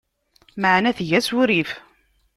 Meεna tga asurif.